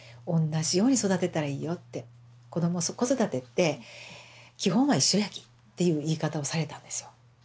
子ども子育てって基本は一緒やきっていう言い方をされたんですよ。